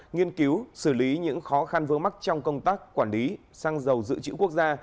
nghiên cứu xử lý những khó khăn vướng mắt trong công tác quản lý xăng dầu dự trữ quốc gia